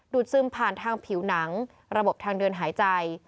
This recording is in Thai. ซึมผ่านทางผิวหนังระบบทางเดินหายใจ